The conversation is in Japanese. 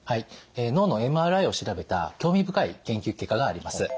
脳のＭＲＩを調べた興味深い研究結果があります。